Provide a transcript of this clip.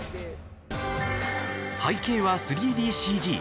背景は３ＤＣＧ。